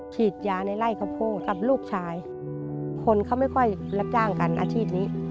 ฉีดยาในไล่ข้าวโพดกับลูกชายคนเขาไม่ค่อยรับจ้างกันอาชีพนี้